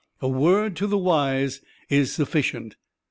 A word to the wise is sufficient.